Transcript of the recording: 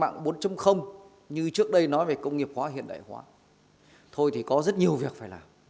nhưng mà điều đầu tiên chúng ta phải nói rất nhiều về cách mạng bốn như trước đây nói về công nghiệp hóa hiện đại hóa thôi thì có rất nhiều việc phải làm